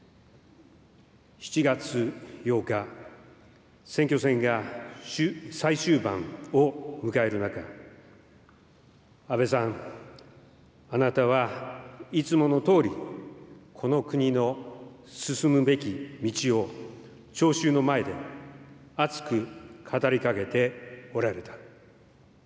７月８日、選挙戦が最終盤を迎える中、安倍さん、あなたはいつものとおり、この国の進むべき道を聴衆の前で熱く語りかけておられた。